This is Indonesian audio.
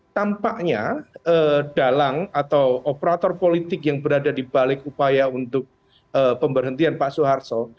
tampaknya dalang atau operator politik yang berada di balik upaya untuk pemberhentian pak soeharto